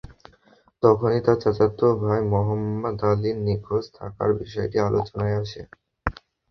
তখনই তাঁর চাচাতো ভাই মোহাম্মদ আলীর নিখোঁজ থাকার বিষয়টি আলোচনায় আসে।